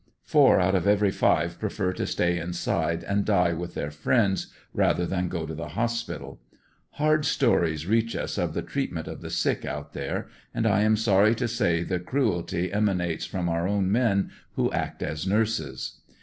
Four out of every five prefer to , stay inside and die with their friends rather than go to the hospi tal. Hard stories reach us of the treatment of the sick out thei^ and I am sorry to say the cruelty emanates from our own men who/ act as nurses.